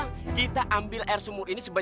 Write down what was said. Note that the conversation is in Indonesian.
ini langsung sudah diusul di sana